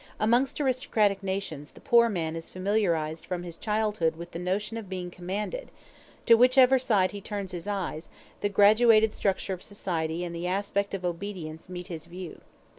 Amongst aristocratic nations the poor man is familiarized from his childhood with the notion of being commanded: to whichever side he turns his eyes the graduated structure of society and the aspect of obedience meet his view.